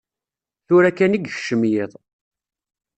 Tura kan i yekcem yiḍ.